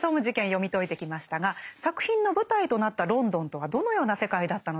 読み解いてきましたが作品の舞台となったロンドンとはどのような世界だったのでしょうか。